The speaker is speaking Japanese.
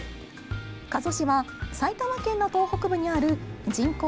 加須市は、埼玉県の東北部にある人口